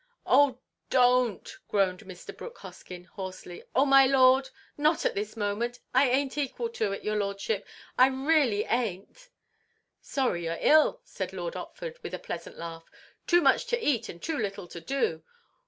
"Oh, don't!" groaned Mr. Brooke Hoskyn, hoarsely. "Oh, my Lord!—Not at this moment! I ain't equal to it, your Lordship! I reely ain't!" "Sorry you're ill," said Lord Otford, with a pleasant laugh. "Too much to eat, and too little to do.